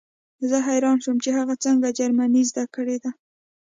زه حیران شوم چې هغې څنګه جرمني زده کړې ده